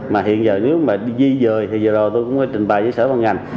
mà hiện giờ nếu mà di dời thì giờ tôi cũng có trình bày với sở văn ngành